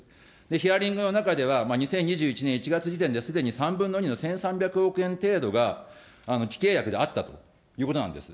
ヒアリングの中では、２０２１年１月時点ですでに３分の２の１３００億円程度が既契約であったということなんです。